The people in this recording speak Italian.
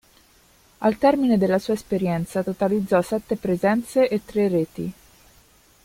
Al termine della sua esperienza totalizzò sette presenze e tre reti.